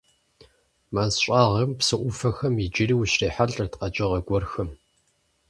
Мэз щӀагъхэм, псы Ӏуфэхэм иджыри ущрихьэлӀэрт къэкӀыгъэ гуэрхэм.